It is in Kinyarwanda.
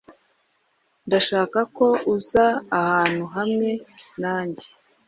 Ndashaka ko uza ahantu hamwe nanjye.